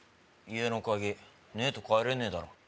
家の鍵ねえと帰れねえだろ